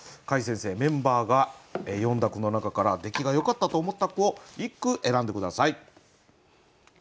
櫂先生メンバーが詠んだ句の中から出来がよかったと思った句を一句選んで下さい。